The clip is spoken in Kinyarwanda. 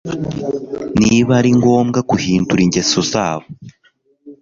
Niba ari ngombwa guhindura ingeso zabo